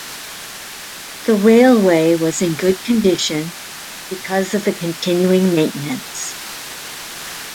The railway was in good condition because of the continuing maintenance.